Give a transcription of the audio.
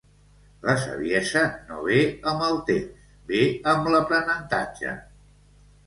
La saviesa no ve amb el temps ve amb l'aprenentatge